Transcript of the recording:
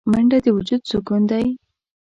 منډه د وجود سکون دی